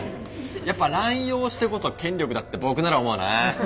やっぱ濫用してこそ権力だって僕なら思うな。